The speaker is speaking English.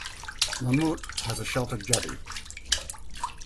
Lumut has a sheltered jetty.